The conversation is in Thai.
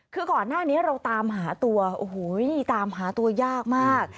คือก่อนหน้านี้เราตามหาตัวโอ้โหนี่ตามหาตัวยากมาก